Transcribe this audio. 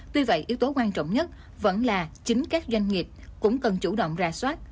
tuy vậy yếu tố quan trọng nhất vẫn là chính các doanh nghiệp cũng cần chủ động ra soát